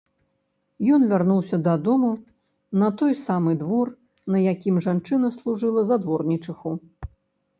Ён вярнуўся дадому, на той самы двор, на якім жанчына служыла за дворнічыху.